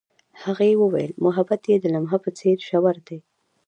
هغې وویل محبت یې د لمحه په څېر ژور دی.